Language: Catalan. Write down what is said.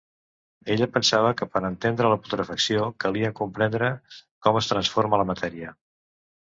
Ella pensava que per a entendre la putrefacció calia comprendre com es transforma la matèria.